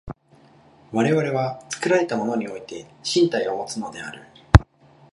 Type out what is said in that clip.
我々は作られたものにおいて身体をもつのである。